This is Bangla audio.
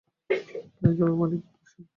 কেন যাবে মানে কী কুসুম?